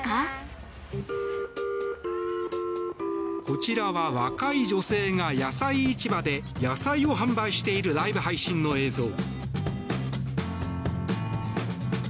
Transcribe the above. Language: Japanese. こちらは若い女性が野菜市場で野菜を販売しているライブ配信の映像。